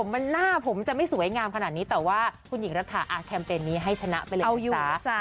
ไม่ผมจะไม่สวยงามขนาดนี้แต่ว่าคุณหญิงรักษาอาร์ดแคมเปญนี้ให้ชนะไปเล่นกันจ้ะ